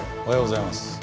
おはようございます。